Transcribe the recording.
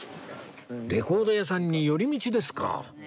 レコード屋さんに寄り道ですか？